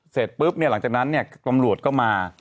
เสร็จปุ๊บหลังจากนั้นตำรวจก็มา